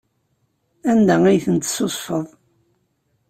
Anda ay tent-tessusfeḍ?